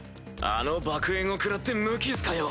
あの爆炎を食らって無傷かよ！